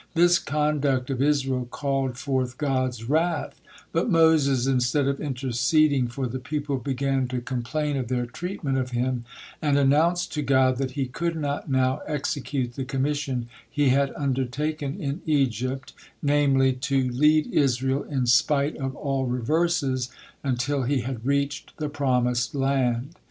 This conduct of Israel called forth God's wrath, but Moses, instead of interceding for the people, began to complain of their treatment of him, and announced to God that he could not now execute the commission he had undertaken in Egypt, namely, to lead Israel in spite of all reverses, until he had reached the promised land.